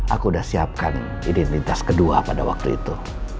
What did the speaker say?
aku udah siapkan identitas kedua pada waktu itu